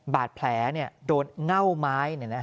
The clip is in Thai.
บาดแผลโดนเง่าไม้